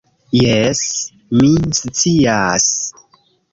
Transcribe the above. Jes, mi scias